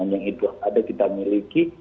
yang itu ada kita miliki